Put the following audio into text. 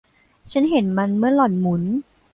ฉันเห็นมันเมื่อหล่อนหมุน